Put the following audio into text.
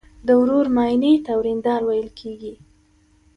د ورور ماینې ته وریندار ویل کیږي.